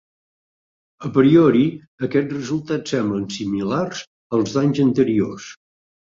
A priori aquests resultats semblen similars als d'anys anteriors.